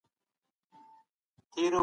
په سیاست کې د عدالت پلي کول اړین دي.